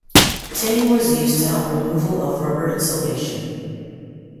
Tinning was used to help removal of rubber insulation.